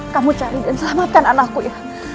kamu cari dan selamatkan anakku itu